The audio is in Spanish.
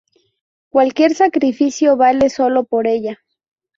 Cualquier sacrificio vale sólo por ella...